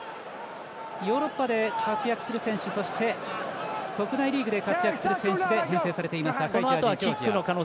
ヨーロッパで活躍する選手そして、国内リーグで活躍する選手です。